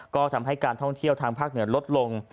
ก็ทำให้การท่องเที่ยวทางภาคเหนือลดลง